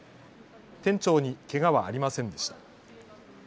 店長にけがはありませんでした。